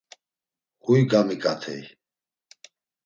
Huy gamiǩatey.